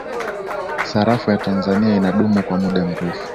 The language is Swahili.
sarafu ya tanzania inadumu kwa muda mrefu